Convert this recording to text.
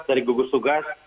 dari gugus tugas